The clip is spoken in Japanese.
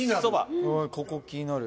ここ気になる。